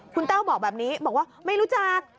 คุณแต้วบอกแบบนี้บอกว่าไม่รู้จัก